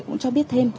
cũng cho biết thêm